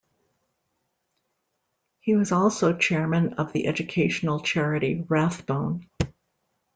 He was also chairman of the educational charity Rathbone.